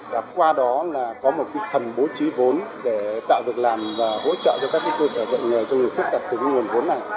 và qua đó là có một phần bố trí vốn để tạo việc làm và hỗ trợ cho các cơ sở dạy nghề cho người khuyết tật từ cái nguồn vốn này